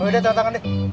oh yaudah tanda tangan deh